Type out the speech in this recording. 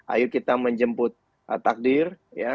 ayo kita menjemput takdir